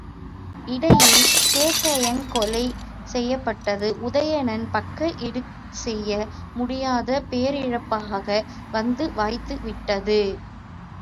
இடையில் கேகயன் கொலை செய்யப்பட்டதும் உதயணன் பக்கம் ஈடுசெய்ய முடியாத பேரிழப்பாக வந்து வாய்த்து விட்டது.